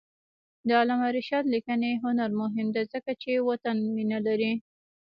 د علامه رشاد لیکنی هنر مهم دی ځکه چې وطن مینه لري.